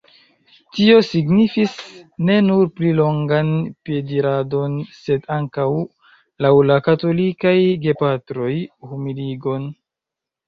Tio signifis ne nur pli longan piediradon sed ankaŭ, laŭ la katolikaj gepatroj, humiligon.